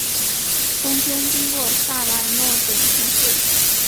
中间经过萨莱诺等城市。